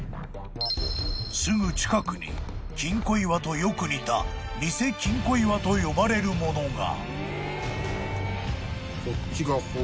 ［すぐ近くに金庫岩とよく似たニセ金庫岩と呼ばれるものが］